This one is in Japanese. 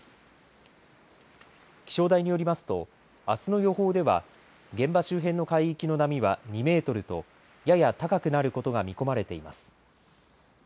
気象台によりますとあすの予報では現場周辺の海域の波は２メートルとやや高くなることが見込まれています。